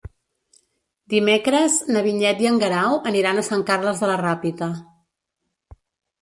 Dimecres na Vinyet i en Guerau aniran a Sant Carles de la Ràpita.